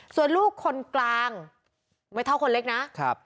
ส่วนลูกคนกลางไม่เท่าคนเล็กนะครับ